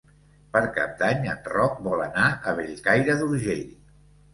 Per Cap d'Any en Roc vol anar a Bellcaire d'Urgell.